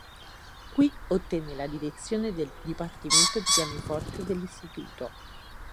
Qui ottenne la direzione del dipartimento di pianoforte dell'istituto.